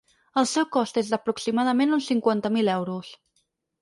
El seu cost és d’aproximadament uns cinquanta mil euros.